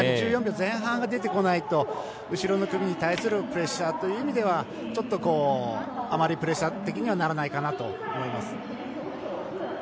１４秒前半が出てこないと後ろの組へのプレッシャーという意味ではあまりプレッシャー的にはならないかなと思います。